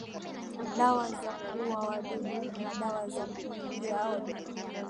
dawa za kuua wadudu na dawa za kuulia wadudu